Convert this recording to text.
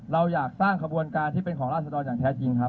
เราอยากสร้างขบวนการที่เป็นของราศดรอย่างแท้จริงครับ